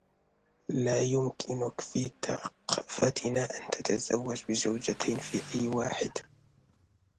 لا يمكنك في ثقافتنا أن تتزوج بزوجتين في آن واحد.